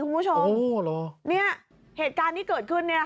เหตุการณ์เหตุการณ์ที่เกิดขึ้น